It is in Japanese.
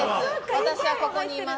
私はここにいます。